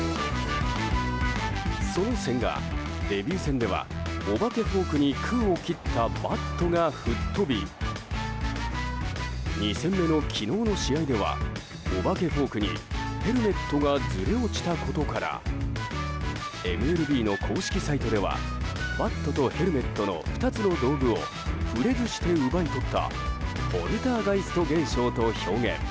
その千賀、デビュー戦ではお化けフォークに空を切ったバットが吹っ飛び２戦目の昨日の試合ではお化けフォークにヘルメットがずれ落ちたことからＭＬＢの公式サイトではバットとヘルメットの２つの道具を触れずして奪い取ったポルターガイスト現象と表現。